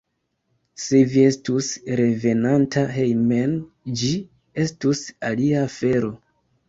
Se vi estus revenanta hejmen, ĝi estus alia afero.